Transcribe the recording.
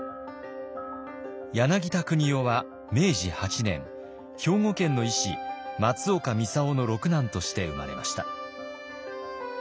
柳田国男は明治８年兵庫県の医師松岡操の六男として生まれました。